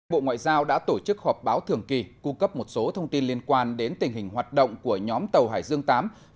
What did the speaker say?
bộ ngoại giao đã tổ chức họp báo thường kỳ cung cấp một số thông tin liên quan đến tình hình hoạt động của nhóm tàu hải dương viii